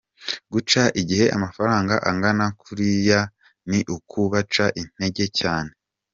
Guca igihe amafaranga angana kuriya ni ukubaca intege cyane”.